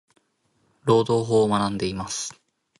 労働法を学んでいます。。